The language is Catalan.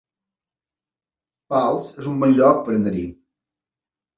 Pals es un bon lloc per anar-hi